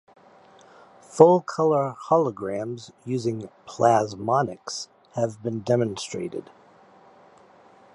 Full color holograms using "plasmonics" have been demonstrated.